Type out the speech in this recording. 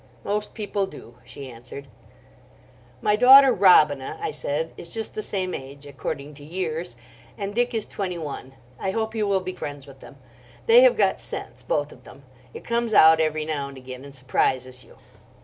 "Most people do," she answered. "My daughter Robina," I said, "is just the same age—according to years; and Dick is twenty one. I hope you will be friends with them. They have got sense, both of them. It comes out every now and again and surprises you.